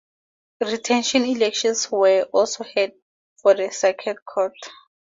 Retention elections were also held for the Circuit Court.